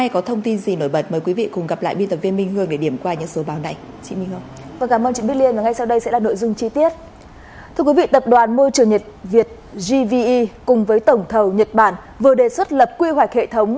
công ty gve cùng với tổng thầu nhật bản vừa đề xuất lập quy hoạch hệ thống